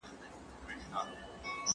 د شیدو څښل وزن زیاتوي که ډېر یې وڅښل شي.